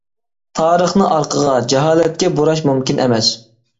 تارىخنى ئارقىغا، جاھالەتكە بۇراش مۇمكىن ئەمەس.